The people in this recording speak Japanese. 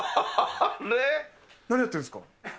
何やってるんですか。